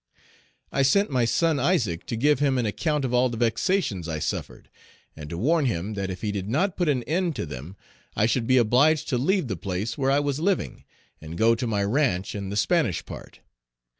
I sent my son Isaac to give him an account of all the vexations I suffered, and to warn him that if he did not put an end to them, I should be obliged to leave the place where I was living, and go to my ranche in the Spanish part.